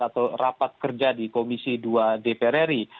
atau rapat kerja di komisi dua dprri